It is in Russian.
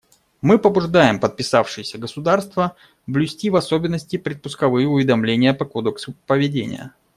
Мы побуждаем подписавшиеся государства блюсти, в особенности, предпусковые уведомления по Кодексу поведения.